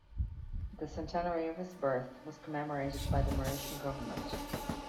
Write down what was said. The centenary of his birth was commemorated by the Mauritian Government.